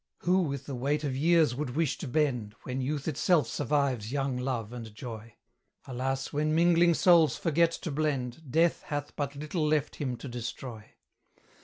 Who with the weight of years would wish to bend, When Youth itself survives young Love and Joy? Alas! when mingling souls forget to blend, Death hath but little left him to destroy!